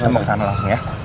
kita mau ke sana langsung ya